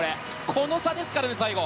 この差ですからね、最後。